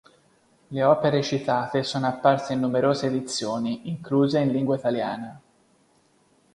Le opere citate sono apparse in numerose edizioni, incluse in lingua italiana.